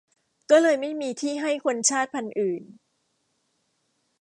ก็เลยไม่มีที่ให้คนชาติพันธุ์อื่น